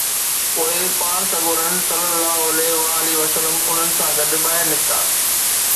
پوءِ پاڻ سڳورن صلي الله عليه وآله وسلم انهن سان گڏ ٻاهر نڪتا